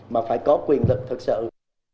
mà phải có quyền lực thật sự